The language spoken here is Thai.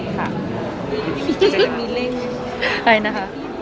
ใครนะคะ